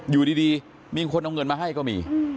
อยู่ดีมีคนเอาเงินมาให้ก็มี